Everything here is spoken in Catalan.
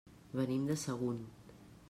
Venim de Sagunt.